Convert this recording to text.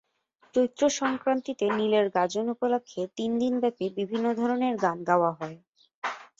চৈত্রসংক্রান্তিতে নীলের গাজন উপলক্ষে তিনদিন ব্যাপী বিভিন্ন ধরনের গান গাওয়া হয়।